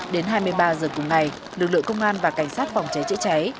đến hai mươi ba h cùng ngày lực lượng công an và cảnh sát phòng cháy chữa cháy